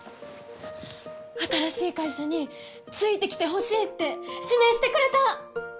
新しい会社について来てほしいって指名してくれた！